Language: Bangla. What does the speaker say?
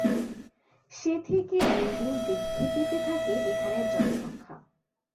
সে থেকে দিন দিন বৃদ্ধি পেতে থাকে এখানের জনসংখ্যা।